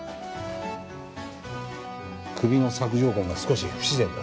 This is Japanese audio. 首の索状痕が少し不自然だ。